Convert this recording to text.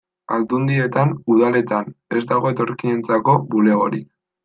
Aldundietan, udaletan, ez dago etorkinentzako bulegorik.